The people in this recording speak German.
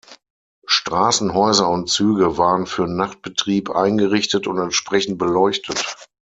Straßen, Häuser und Züge waren für Nachtbetrieb eingerichtet und entsprechend beleuchtet.